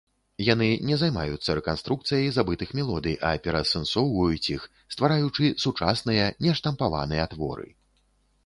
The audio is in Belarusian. Яны не займаюцца рэканструкцыяй забытых мелодый, а пераасэнсоўваюць іх, ствараючы сучасныя, нештампаваныя творы.